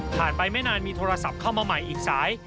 ไปไม่นานมีโทรศัพท์เข้ามาใหม่อีกสาย